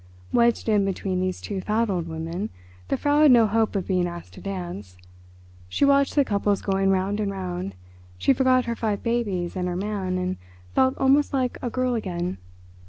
Wedged in between these two fat old women, the Frau had no hope of being asked to dance. She watched the couples going round and round; she forgot her five babies and her man and felt almost like a girl again.